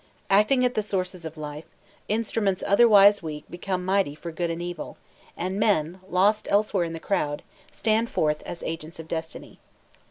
Acting at the sources of life, instruments otherwise weak become mighty for good and evil, and men, lost elsewhere in the crowd, stand forth as agents of Destiny.